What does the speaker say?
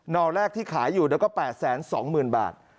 อแรกที่ขายอยู่แล้วก็๘๒๐๐๐บาท